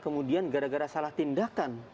kemudian gara gara salah tindakan